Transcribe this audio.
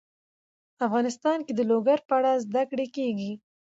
افغانستان کې د لوگر په اړه زده کړه کېږي.